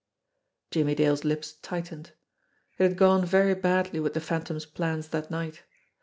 Jimmie Dale's lips tightened. It had gone very badly with the Phantom's plans that night.